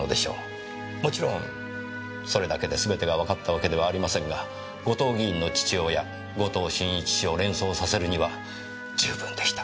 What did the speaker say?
もちろんそれだけですべてがわかったわけではありませんが後藤議員の父親後藤真一氏を連想させるには十分でした。